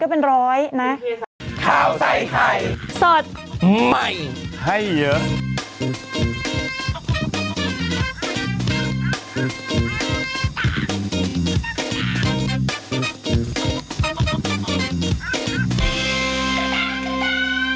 กับปั๊บประกวันก็เป็น๑๐๐นะ